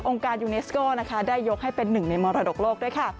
การยูเนสโก้นะคะได้ยกให้เป็นหนึ่งในมรดกโลกด้วยค่ะ